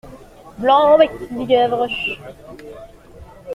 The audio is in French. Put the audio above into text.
Blanc-bec ! dit Gavroche.